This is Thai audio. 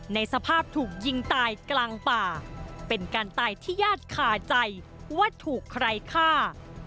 ในสภาพถูกยิงตายกลางป่าเป็นการตายที่ญาติคาใจว่าถูกใครฆ่า